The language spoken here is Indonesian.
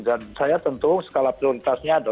dan saya tentu skala prioritasnya ada